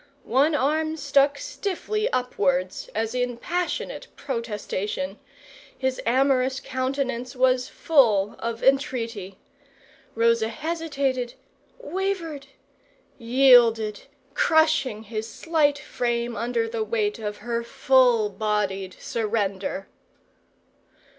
One arm stuck stiffly upwards, as in passionate protestation; his amorous countenance was full of entreaty. Rosa hesitated wavered and yielded, crushing his slight frame under the weight of her full bodied surrender.